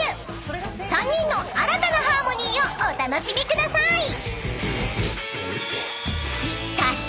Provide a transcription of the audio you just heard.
［３人の新たなハーモニーをお楽しみください］